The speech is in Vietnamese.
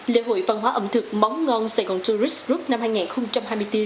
lễ hội phân hóa ẩm thực món ngon sài gòn tourist group năm hai nghìn hai mươi bốn